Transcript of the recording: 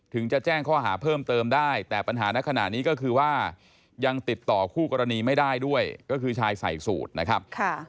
จะแจ้งข้อหาเพิ่มเติมได้แต่ปัญหาในขณะนี้ก็คือว่ายังติดต่อคู่กรณีไม่ได้ด้วยก็คือชายใส่สูตรนะครับ